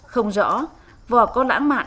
không rõ vọc có lãng mạn